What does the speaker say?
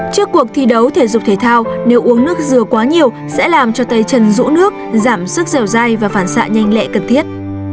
trước cuộc thi đấu thể dục thể thao nếu uống nước dừa quá nhiều sẽ làm cho tay chân rũ nước giảm sức dèo dai và phản xạ nhanh lẹ cần thiết